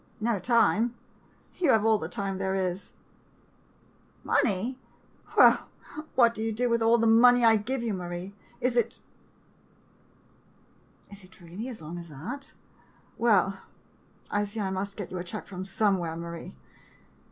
No time? You have all the time there is. Money ? Why, what do you do with all the money I give you, Marie? Is it — is it really as long as that? Well, I see I must get you a check from somewhere, Marie.